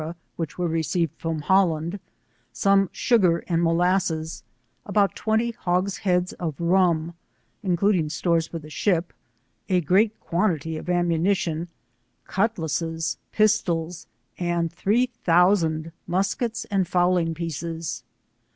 which were received from Holland, some sugar and molasses, about twenty hogsheads of rum,^ including stores for the ship, a great quantity of ammunition, cutlasses, pistols, and three thousand muskets and fowling pieces.